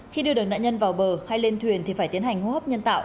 khi đưa được nạn nhân vào bờ hay lên thuyền thì phải tiến hành hô hấp nhân tạo